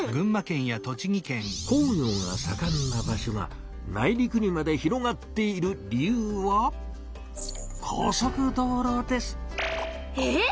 工業がさかんな場所が内陸にまで広がっている理由はえっ